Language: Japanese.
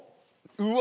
うわ！